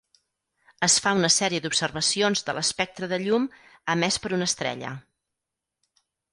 Es fa una sèrie d'observacions de l'espectre de llum emès per una estrella.